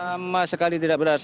sama sekali tidak benar